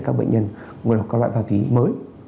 các bệnh nhân ngộ độc các loại ma túy mới